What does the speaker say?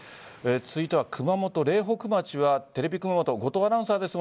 続いては熊本・苓北町はテレビ熊本後藤アナウンサーです。